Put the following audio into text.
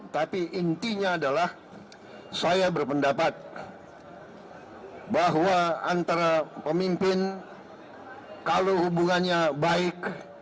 tapi intinya adalah saya berpendapat bahwa antara pemimpin kalau hubungannya baik